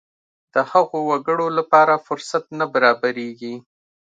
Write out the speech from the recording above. د هغو وګړو لپاره فرصت نه برابرېږي.